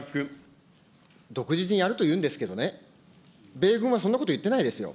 独自にやるというんですけどね、米軍はそんなこと言ってないですよ。